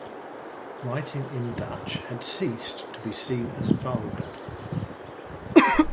Writing in Dutch had ceased to be seen as vulgar.